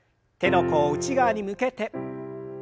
手の甲を内側に向けて。